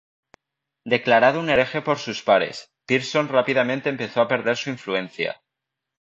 Declarado un hereje por sus pares, Pearson rápidamente empezó a perder su influencia.